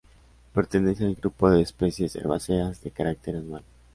Pertenece al grupo de especies herbáceas de carácter anual.